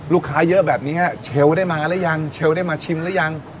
ลูกค้าเยอะแบบนี้เชลวได้มาหรือยังเชลวได้มาชิมหรือยัง